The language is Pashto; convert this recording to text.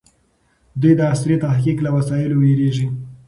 دوی د عصري تحقيق له وسایلو وېرېږي.